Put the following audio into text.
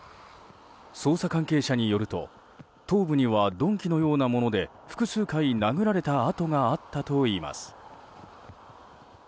捜査関係者によると頭部には鈍器のようなもので複数回殴られた痕があったといいます。